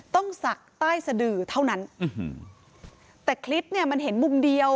ศักดิ์ใต้สดือเท่านั้นแต่คลิปเนี่ยมันเห็นมุมเดียว